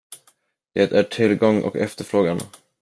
Det är tillgång och efterfrågan.